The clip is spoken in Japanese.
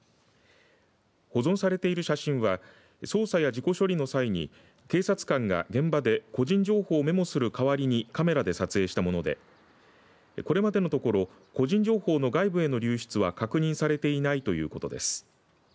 保存されている写真は捜査や事故処理の際に警察官が現場で個人情報をメモする代わりにカメラで撮影したものでこれまでの所個人情報の外部への流出は確認されていないということです。